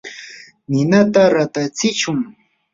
ninata ratatsishun.